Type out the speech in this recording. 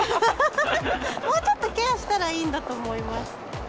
もうちょっとケアしたらいいんだと思います。